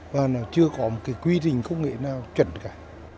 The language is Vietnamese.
và chưa có một quy trình công nghệ nào chuẩn cả